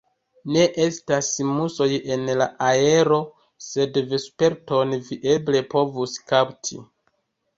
Ne estas musoj en la aero, sed vesperton vi eble povus kapti.